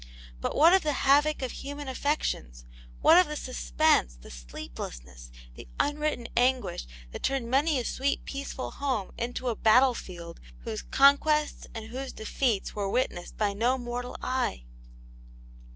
But what of the havoc of human affections; what of the suspense, the sleeplessness, the unwritten anguish that turned many a sweet, peaceful home into a battle field whose conquests and whose defeats were witnessed by no mortal eye?